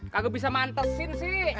kagak bisa mantesin sih